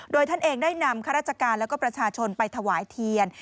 โดยท่านเองได้นำข้าราชการแล้วก็ประชาชนไปถวายเทียน